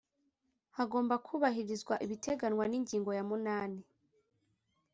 Hagomba kubahirizwa ibiteganywa n’ingingo ya munani